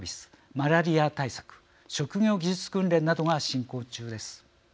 マラリア対策職業技術訓練などが進行中です。